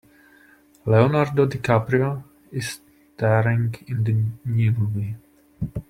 Leonardo DiCaprio is staring in the new movie.